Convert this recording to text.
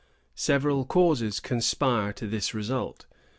Several causes conspire to this result.